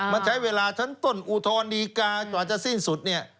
มันใช้เวลาทั้งต้นอุทธนิกาอาจจะสิ้นสุด